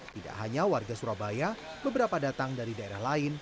tidak hanya warga surabaya beberapa datang dari daerah lain